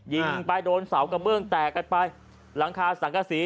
ยิงไปโดนเสากระเบื้องแตกกันไปหลังคาสังกษี